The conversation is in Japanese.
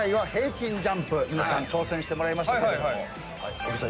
小木さん